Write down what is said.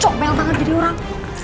comel banget jadi orang